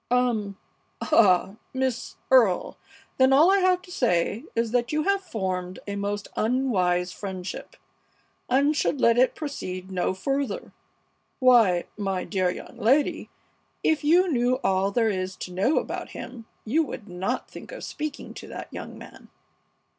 "Um! Ah! Miss Earle, then all I have to say is that you have formed a most unwise friendship, and should let it proceed no further. Why, my dear young lady, if you knew all there is to know about him you would not think of speaking to that young man."